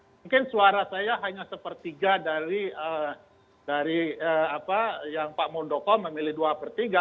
mungkin suara saya hanya sepertiga dari apa yang pak muldoko memilih dua per tiga